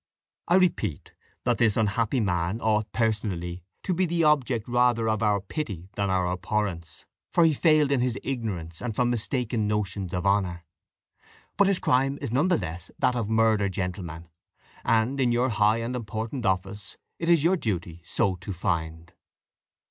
I repeat, that this unhappy man ought personally to be the object rather of our pity than our abhorrence, for he failed in his ignorance and from mistaken notions of honour. But his crime is not the less that of murder, gentlemen, and, in your high and important office, it is your duty so to find.